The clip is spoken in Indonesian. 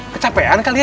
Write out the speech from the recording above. kecapean kali ya